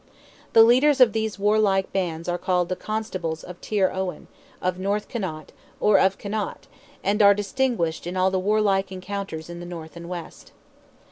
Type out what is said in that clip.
The leaders of these warlike bands are called the Constables of Tyr Owen, of North Connaught, or of Connaught, and are distinguished in all the warlike encounters in the north and west.